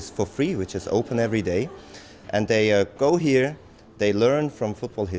mereka pergi ke sini mereka belajar dari sejarah bola